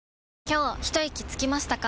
今日ひといきつきましたか？